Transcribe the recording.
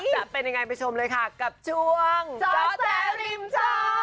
จะเป็นยังไงไปชมเลยค่ะกับช่วงเจาะแจ๊ริมจอ